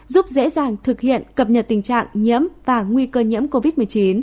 giúp dễ dàng thực hiện cập nhật tình trạng nhiễm và nguy cơ nhiễm covid một mươi chín